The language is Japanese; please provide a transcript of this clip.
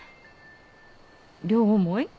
両思い？